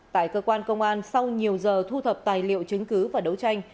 tại cơ quan công an sau nhiều giờ thu thập tài liệu chứng cứ và đấu tranh